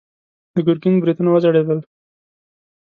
د ګرګين برېتونه وځړېدل.